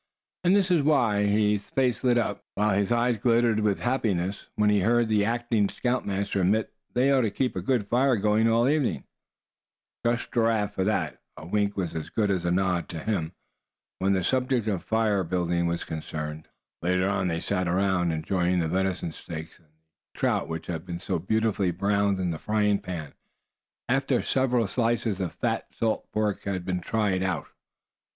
And this was why his face lighted up, while his eyes glittered with happiness, when he heard the acting scoutmaster admit they ought to keep a good fire going all evening. Trust Giraffe for that; a wink was as good as a nod to him, when the subject of fire building was concerned. Later on, they sat around enjoying the venison steaks, and the trout which had been so beautifully browned in the frying pan, after several slices of fat salt pork had been "tried out."